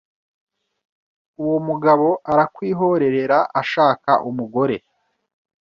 Uwo mugabo arakwihorerera ashaka umugore